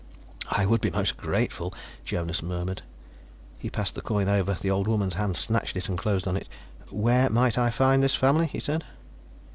"I would be most grateful," Jonas murmured. He passed the coin over; the old woman's hand snatched it and closed on it. "Where might I find this family?" he said.